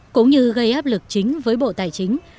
cũng như gây áp lực chính với bộ tài chính